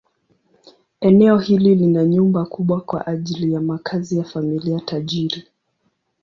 Eneo hili lina nyumba kubwa kwa ajili ya makazi ya familia tajiri.